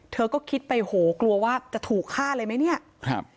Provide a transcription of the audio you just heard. เธอก็คิดไปโหกลัวว่าจะถูกฆ่าเลยไหมเนี่ยครับ